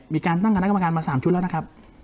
มีการตั้งคณะกรรมการมา๓ชุดแล้วนะครับ